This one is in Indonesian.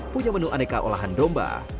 punya menu aneka olahan domba